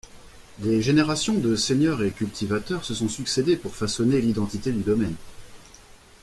Des générations de seigneurs et cultivateurs se sont succédé pour façonner l'identité du domaine.